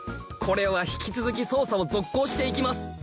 これは引き続き捜査を続行していきます